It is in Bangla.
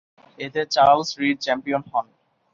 এতে চার্লস রিড চ্যাম্পিয়ন হন।